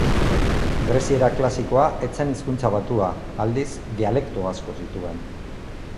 Greziera klasikoa ez zen hizkuntza batua, aldiz, dialekto asko zituen.